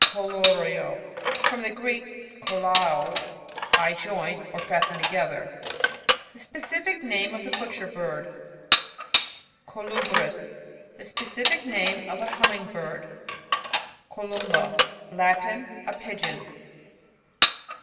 CoLLURio. — ^From the Greek, koUaS, I join or fasten together. The specific name of the Butcher Bird. CoLUBRis. — The specific name of a Humming Bird. CoLUMBA. — ^Latin. A Pigeon.